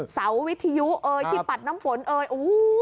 เสาวิทยุเอยที่ปัดน้ำฝนเอ่ยโอ้โห